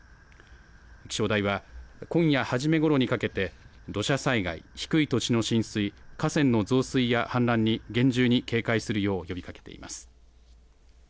気象台は今夜初めごろにかけて土砂災害、低い土地の浸水、河川の増水や氾濫に厳重に警戒するよう呼びかけています。